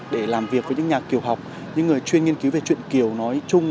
để làm việc với những nhà kiều học những người chuyên nghiên cứu về chuyện kiều nói chung